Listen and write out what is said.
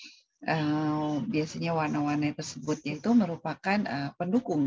itu ya disesuaikan dengan biasanya warna warna tersebut itu merupakan pendukung